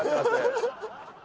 アハハハ。